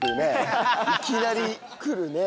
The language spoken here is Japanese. いきなり来るね。